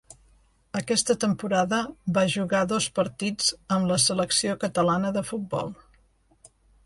Aquesta temporada va jugar dos partits amb la selecció catalana de futbol.